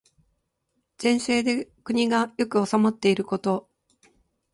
善政で国が良く治まっていること。